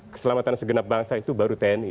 keselamatan segenap bangsa itu baru tni